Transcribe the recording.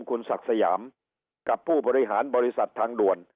คุณศักดิ์สยามกับผู้บริหารบริษัททางด่วน